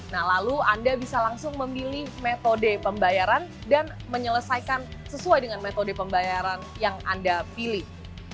nah lalu anda bisa langsung memilih metode pembayaran dan menyelesaikan sesuai dengan metode pembayaran yang anda pilih